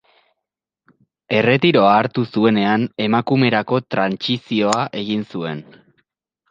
Erretiroa hartu zuenean emakumerako trantsizioa egin zuen.